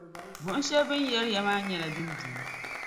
Buɣim shɛli bɛni yari yaa maa nyɛla din beni.